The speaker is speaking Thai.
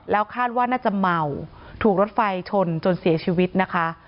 แล้วคาดว่าน่าจะเมาถูกรถไฟชนจนเสียชีวิตนะคะ